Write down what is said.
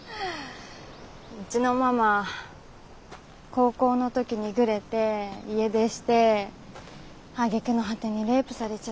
うちのママ高校の時にグレて家出してあげくの果てにレイプされちゃって。